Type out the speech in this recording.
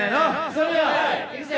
それではいくぜ。